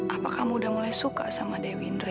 apa kamu udah mulai suka sama dewi nri